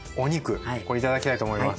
これ頂きたいと思います。